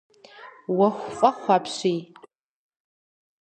Ӏуэху фӏэхъу апщий.